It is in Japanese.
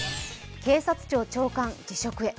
警察庁長官、辞職へ。